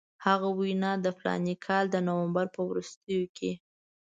هغه وینا د فلاني کال د نومبر په وروستیو کې.